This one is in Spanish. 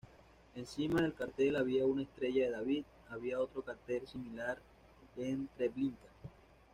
Encima del cartel había una estrella de David, había otro cartel similar en Treblinka.